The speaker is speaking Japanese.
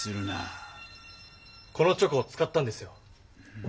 このチョコを使ったんですよ。